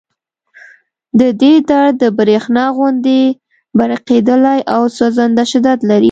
د دې درد د برېښنا غوندې پړقېدلی او سوځنده شدت لري